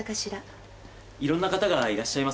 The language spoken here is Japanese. いろんな方がいらっしゃいますから。